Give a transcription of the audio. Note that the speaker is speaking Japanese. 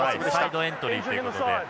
サイドエントリーということで。